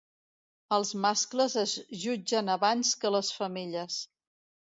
Els mascles es jutgen abans que les femelles.